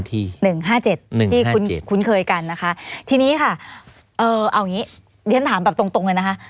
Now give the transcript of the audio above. ที่คุณเคยกันนะคะทีนี้ค่ะเอาอย่างนี้ถามแบบตรงหน่อยนะคะ